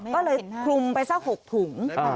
ก็เลยคลุมไปสัก๖ถุง